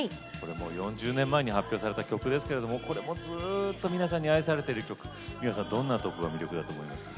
４０年前に発表された曲ですがこれも、ずっと皆さんに愛されてる曲どんなところが魅力だと思いますか。